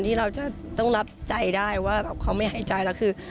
ที่เราจะต้องรับใจได้ว่าแบบเขาไม่หายใจแล้วคือ